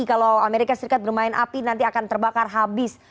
kalau amerika serikat bermain api nanti akan terbakar habis